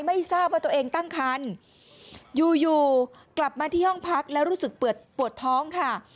ไม่ทราบว่าตัวเองตั้งคันอยู่อยู่กลับมาที่ห้องพักแล้วรู้สึกปวดท้องค่ะ